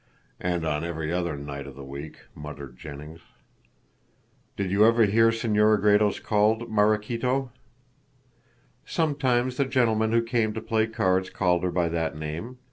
"And on every other night of the week," muttered Jennings. "Did you ever hear Senora Gredos called Maraquito?" "Sometimes the gentlemen who came to play cards called her by that name.